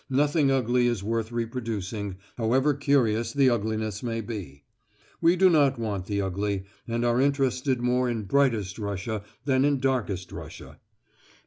Nothing ugly is worth reproducing, however curious the ugliness may be. We do not want the ugly, and are interested more in brightest Russia than in darkest Russia.